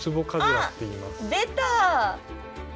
あっ出た！